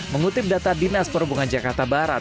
mengutip data dinas perhubungan jakarta barat